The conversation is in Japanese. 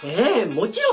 もちろん！